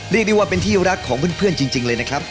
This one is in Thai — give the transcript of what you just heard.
เรียกได้ว่าเป็นที่รักของเพื่อนจริงเลยนะครับ